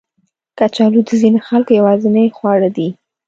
کچالو د ځینو خلکو یوازینی خواړه دي